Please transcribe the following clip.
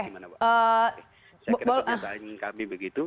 saya kira pernyataan kami begitu